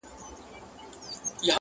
• درد د انسان برخه ګرځي تل,